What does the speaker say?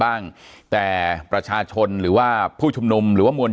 อย่างที่บอกไปว่าเรายังยึดในเรื่องของข้อ